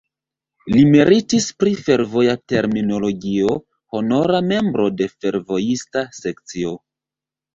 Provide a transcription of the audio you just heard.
Li meritis pri fervoja terminologio, honora membro de fervojista sekcio.